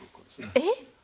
えっ！？